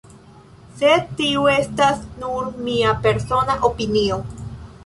Sed tio estas nur mia persona opinio.